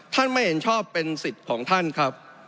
ไม่เห็นชอบเป็นสิทธิ์ของท่านครับ